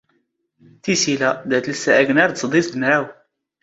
ⵜⵉⵙⵉⵍⴰ, ⴷⴰ ⵜⵍⵙⵙⴰ ⴰⴳⵏⴰⵔ ⴷ ⵙⴹⵉⵙ ⴷ ⵎⵔⴰⵡ.